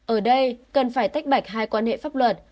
ở đây cần phải tách bạch hai quan hệ pháp luật